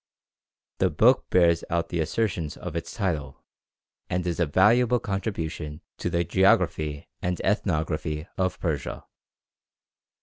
The book bears out the assertions of its title, and is a valuable contribution to the geography and ethnography of Persia.